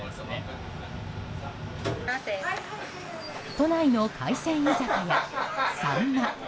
都内の海鮮居酒屋秋刀魚。